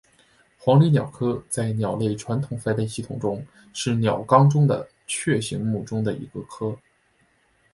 黄鹂科在鸟类传统分类系统中是鸟纲中的雀形目中的一个科。